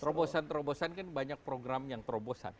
terobosan terobosan kan banyak program yang terobosan